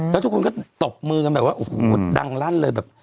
แล้วทุกคนก็ตบมือกันแบบว่าโอ้โหดังลั่นเลยแบบ